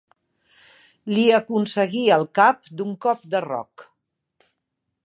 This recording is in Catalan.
Li aconseguí el cap d'un cop de roc.